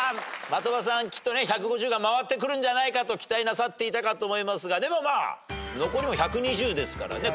的場さんきっとね１５０が回ってくるんじゃないかと期待なさっていたかと思いますがでもまあ残りも１２０ですからね